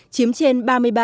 chiếm trên ba mươi ba ba